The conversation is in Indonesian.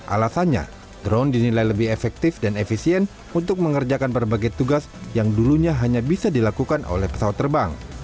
alasannya drone dinilai lebih efektif dan efisien untuk mengerjakan berbagai tugas yang dulunya hanya bisa dilakukan oleh pesawat terbang